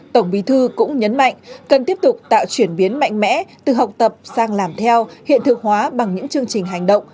tổng bí thư cũng nhấn mạnh cần tiếp tục tạo chuyển biến mạnh mẽ từ học tập sang làm theo hiện thực hóa bằng những chương trình hành động